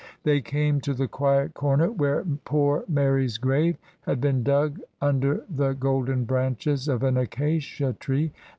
They came to the quiet comer where poor Mary's grave had been dug under the golden branches of an acacia tree.